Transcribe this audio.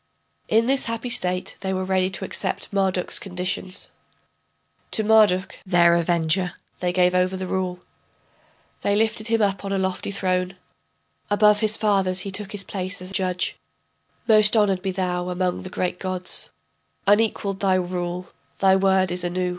[In this happy state they were ready to accept Marduk's conditions.] To Marduk, their avenger, they gave over the rule. They lifted him up on a lofty throne, Above his fathers he took his place as judge: Most honored be thou among the great gods, Unequaled thy rule, thy word is Anu.